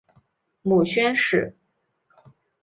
母宣氏。